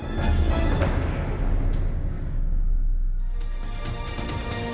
อันดับสุดท้ายของพี่รัตติว